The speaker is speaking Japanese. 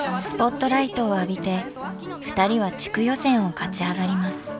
スポットライトを浴びてふたりは地区予選を勝ち上がります。